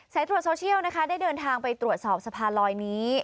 ตรวจโซเชียลนะคะได้เดินทางไปตรวจสอบสะพานลอยนี้